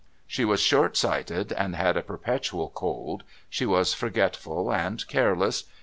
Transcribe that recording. She was short sighted and had a perpetual cold; she was forgetful and careless.